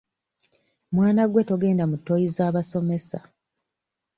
Mwana gwe togenda mu ttooyi z'abasomesa.